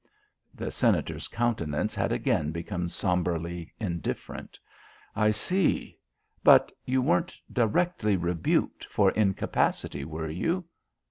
The Senator's countenance had again become sombrely indifferent. "I see. But you weren't directly rebuked for incapacity, were you?